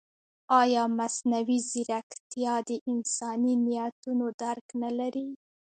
ایا مصنوعي ځیرکتیا د انساني نیتونو درک نه لري؟